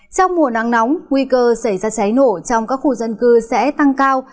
trong mùa nắng nóng nguy cơ xảy ra cháy nổ trong các khu dân cư sẽ tăng cao